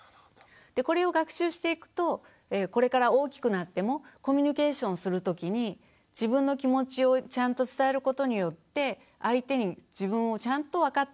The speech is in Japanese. これを学習していくとこれから大きくなってもコミュニケーションするときに自分の気持ちをちゃんと伝えることによって相手に自分をちゃんと分かってもらうことができる。